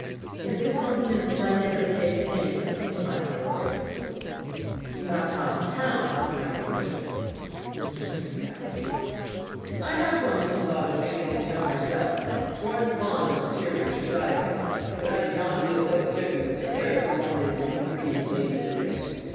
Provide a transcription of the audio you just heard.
"It is a compliment which I never pay to any place if I can avoid it." "You have a house in town, I conclude?" Mr. Darcy bowed. "I had once some thoughts of fixing in town myself, for I am fond of superior society; but I did not feel quite certain that the air of London would agree with Lady Lucas."